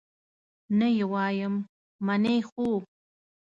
نه یې وایم، منې خو؟